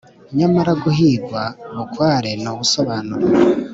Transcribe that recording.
nyamara guhigwa bukware nubusobanuro